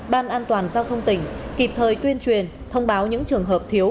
ban an toàn giao thông tỉnh kịp thời tuyên truyền thông báo những trường hợp thiếu